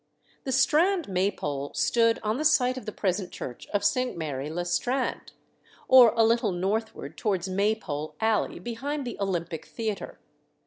The Strand Maypole stood on the site of the present church of St. Mary le Strand, or a little northward towards Maypole Alley, behind the Olympic Theatre.